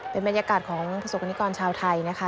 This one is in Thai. เป็นบรรยากาศของประสบกรณิกรชาวไทยนะคะ